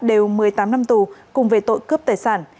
đều một mươi tám năm tù cùng về tội cướp tài sản